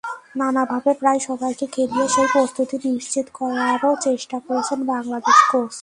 নানাভাবে প্রায় সবাইকে খেলিয়ে সেই প্রস্তুতি নিশ্চিত করারও চেষ্টা করেছেন বাংলাদেশ কোচ।